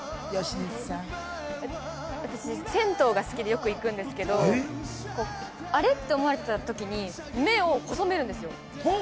私、銭湯が好きでよく行くんですけど、あれ？って思われた時に、目を細めるんですよ。